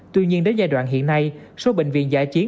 tuy nhiên đến giai đoạn hiện nay số bệnh viện giải trí